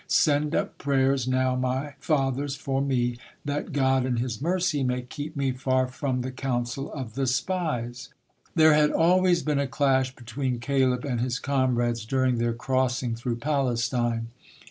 Send up prayers now, my fathers, for me, that God in His mercy may keep me far from the counsel of the spies." There had always been a clash between Caleb and his comrades during their crossing through Palestine.